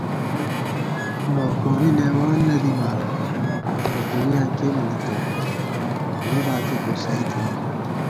نوکوری لېوان نہ دِمان مُزدُوریاں کېنےدِتہ، ووئی باتی خو سَئ تھِنی